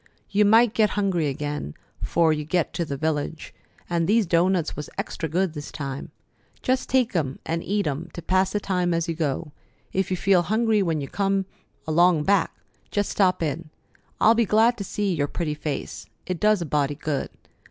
"You might get hungry again 'fore you get to the village, and these doughnuts was extra good this time. Just take 'em an' eat 'em to pass the time as you go. If you feel hungry when you come along back, just stop in. I'll be glad to see your pretty face. It does a body good.